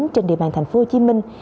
trên địa bàn thành phố hồ chí minh